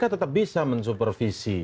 kan kpk tetap bisa mensupervisi